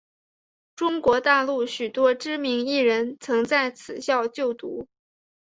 中国大陆许多知名艺人曾在此校就读。